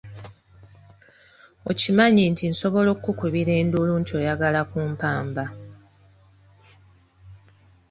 Okimanyi nti nsobola okukukubira enduulu nti oyagala kumpamba!